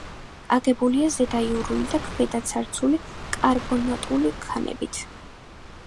აგებულია ზედაიურული და ქვედაცარცული კარბონატული ქანებით.